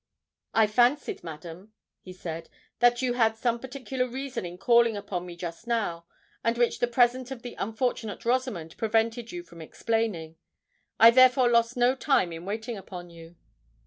"I fancied, madam," he said, "that you had some particular reason in calling upon me just now, and which the presence of the unfortunate Rosamond prevented you from explaining. I therefore lost no time in waiting upon you."